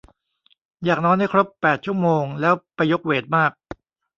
อยากนอนให้ครบแปดชั่วโมงแล้วไปยกเวทมาก